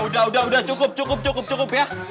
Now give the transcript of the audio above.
udah udah udah cukup cukup cukup cukup ya